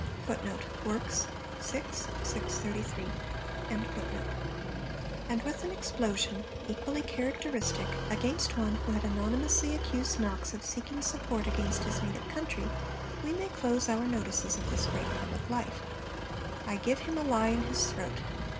' And with an explosion, equally characteristic, against one who had anonymously accused Knox of 'seeking support against his native country,' we may close our notices of this great public life. 'I give him a lie in his throat!...